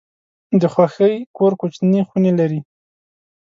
د خوښۍ کور کوچني خونې لري.